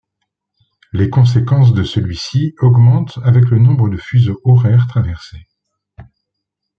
Les conséquences de celui-ci augmentent avec le nombre de fuseaux horaires traversés.